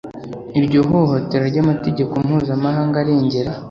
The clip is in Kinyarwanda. iryo hohotera ry'amategeko mpuzamahanga arengera